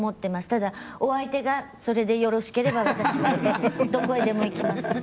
ただ、お相手がそれでよろしければ私はどこへでも行きます。